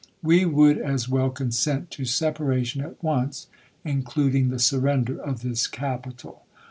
We would as well consent to separation at once, in cluding the surrender of this capital.